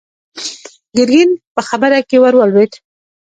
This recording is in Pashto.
ګرګين په خبره کې ور ولوېد.